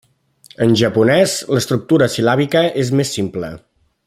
En japonès, l'estructura sil·làbica és més simple.